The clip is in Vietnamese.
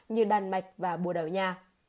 như đan mạch và bùa đảo nha